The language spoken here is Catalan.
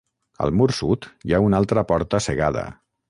Al mur sud hi ha una altra porta cegada.